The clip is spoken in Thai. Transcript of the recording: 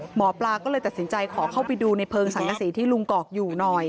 หมอปลาก็เลยตัดสินใจขอเข้าไปดูในเพลิงสังกษีที่ลุงกอกอยู่หน่อย